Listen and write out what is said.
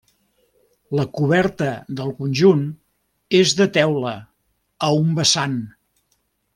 La coberta del conjunt és de teula a un vessant.